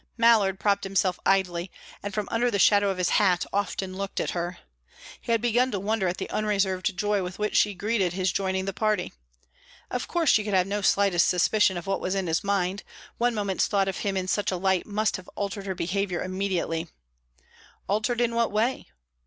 Mallard propped himself idly, and from under the shadow of his hat often looked at her. He had begun to wonder at the unreserved joy with which she greeted his joining the party. Of course she could have no slightest suspicion of what was in his mind; one moment's thought of him in such a light must have altered her behaviour immediately. Altered in what way?